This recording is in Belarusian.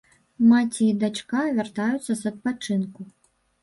Маці і дачка вяртаюцца з адпачынку.